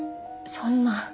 そんな。